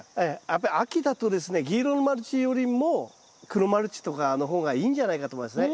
やっぱり秋だとですね銀色のマルチよりも黒マルチとかの方がいいんじゃないかと思いますね。